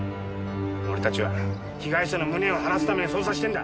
俺たちは被害者の無念を晴らすために捜査してんだ。